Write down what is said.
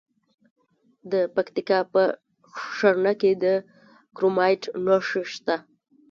د پکتیکا په ښرنه کې د کرومایټ نښې شته.